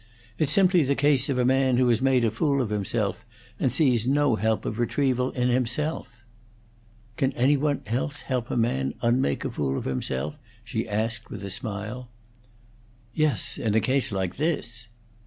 "It's simply the case of a man who has made a fool of himself and sees no help of retrieval in himself." "Can any one else help a man unmake a fool of himself?" she asked, with a smile. "Yes. In a case like this."